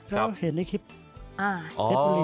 เพราะเห็นในคลิปฟบุรี